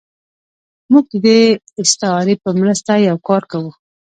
موږ د دې استعارې په مرسته یو کار کوو.